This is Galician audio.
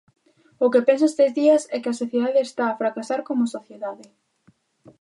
O que penso estes días é que a sociedade está a fracasar como sociedade.